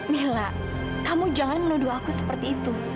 mila kamu jangan menuduh aku seperti itu